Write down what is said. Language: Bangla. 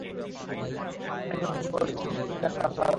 তাই আইন লঙ্ঘন করলে যেসব শাস্তির বিধান আছে তার প্রচার বাড়াতে হবে।